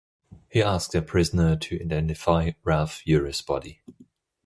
He asked a prisoner to identify Ralph Eure's body.